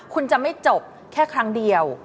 คุณจะไม่จบแค่ครั้งเดียว